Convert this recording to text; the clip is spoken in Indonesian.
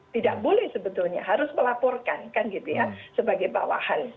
tidak boleh sebetulnya harus melaporkan kan gitu ya sebagai bawahan